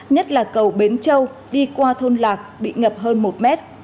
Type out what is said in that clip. nhất là cầu bến châu đi qua thôn lạc bị ngập hơn một mét